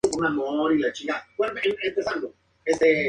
Estas cifras contienen las víctimas de guerra polacas.